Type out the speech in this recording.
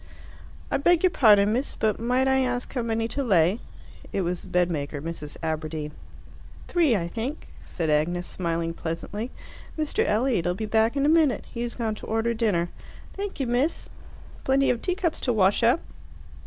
"I beg your pardon, miss, but might I ask how many to lay?" It was the bedmaker, Mrs. Aberdeen. "Three, I think," said Agnes, smiling pleasantly. "Mr. Elliot'll be back in a minute. He has gone to order dinner. "Thank you, miss." "Plenty of teacups to wash up!"